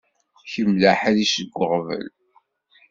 Kemm d aḥric seg uɣbel.